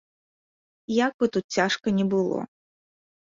Як бы тут цяжка ні было.